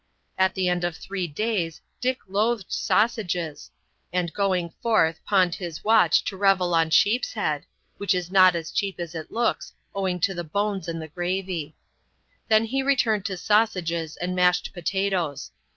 At the end of three days Dick loathed sausages, and, going forth, pawned his watch to revel on sheep's head, which is not as cheap as it looks, owing to the bones and the gravy. Then he returned to sausages and mashed potatoes.